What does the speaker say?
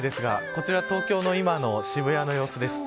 こちら東京の今の渋谷の様子です。